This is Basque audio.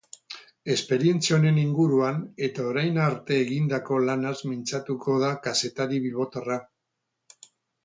Esperientzia honen inguruan eta orain arte egindako lanaz mintzatuko da kazetari bilbotarra.